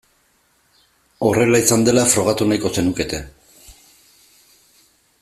Horrela izan dela frogatu nahiko zenukete.